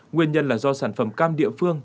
nguyên nhân là do sản phẩm cam địa phương